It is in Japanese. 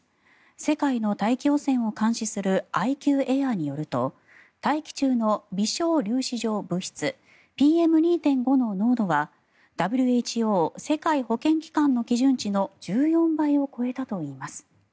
世界の大気汚染を監視するＩＱＡｉｒによると大気中の微小粒子状物質・ＰＭ２．５の濃度はＷＨＯ・世界保健機関の基準値の１４倍を超えたといいます。